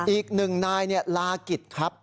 อีก๑นายลากิจครับ